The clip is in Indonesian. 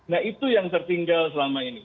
nah itu yang tertinggal selama ini